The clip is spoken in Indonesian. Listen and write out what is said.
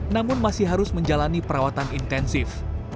namun masih harus menjalani perawatan intensif